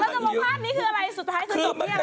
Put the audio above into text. คืออะไรสุดท้ายสุดจบอย่างไร